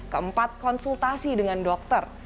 keempat konsultasi dengan dokter